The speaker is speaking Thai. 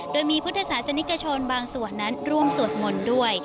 โดยมีพุทธศาสนิกชนบางส่วนนั้นร่วมสวดมนต์ด้วย